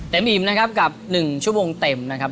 อิ่มนะครับกับ๑ชั่วโมงเต็มนะครับ